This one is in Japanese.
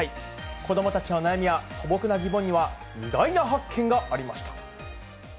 子どもたちの悩みや素朴な疑問には、意外なハッケンがありました。